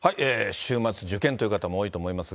週末、受験という方も多いと思いますが。